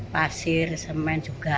pasir semen juga